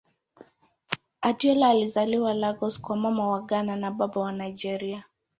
Adeola alizaliwa Lagos kwa Mama wa Ghana na Baba wa Nigeria.